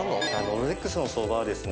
ロレックスの相場はですね